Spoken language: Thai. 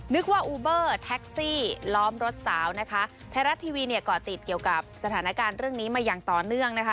นึกว่าอูเบอร์แท็กซี่ล้อมรถสาวนะคะไทยรัฐทีวีเนี่ยก่อติดเกี่ยวกับสถานการณ์เรื่องนี้มาอย่างต่อเนื่องนะคะ